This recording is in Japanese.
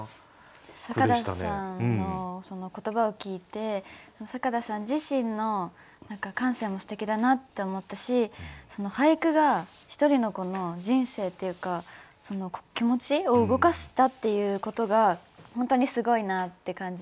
坂田さんの言葉を聞いて坂田さん自身の感性もすてきだなって思ったし俳句が一人の子の人生っていうか気持ちを動かしたっていうことが本当にすごいなって感じて。